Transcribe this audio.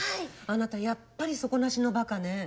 あなたやっぱり底なしのバカね。